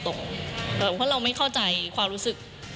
แต่ว่าเราไม่เข้าใจความรู้สึก